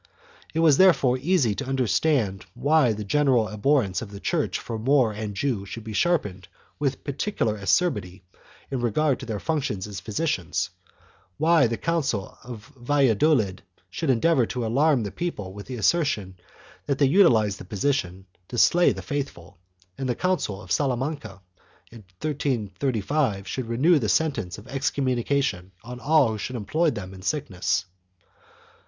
4 It is therefore easy to understand why the general abhorrence of the Church for Moor and Jew should be sharpened with peculiar acerbity in regard to their functions as physicians; why the council of Valladolid should endeavor to alarm the people with the assertion that they utilized the position to slay the faithful, and the council of Salamanca, in 1335, should renew the sentence of excommunication on all who should employ them in sickness.